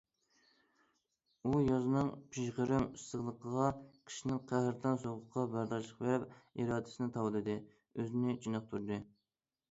ئۇ يازنىڭ پىژغىرىم ئىسسىقلىرىغا، قىشنىڭ قەھرىتان سوغۇقىغا بەرداشلىق بېرىپ، ئىرادىسىنى تاۋلىدى، ئۆزىنى چېنىقتۇردى.